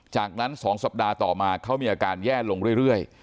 จากนั้น๒สัปดาห์ต่อมาเขามีอาการแย่ลงเรื่อย